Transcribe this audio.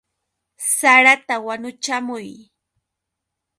¡Sarata wanuchamuy!